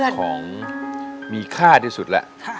เป็นของมีค่าที่สุดแหละ